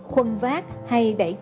khuân vác hay đẩy chiếc hàng hóa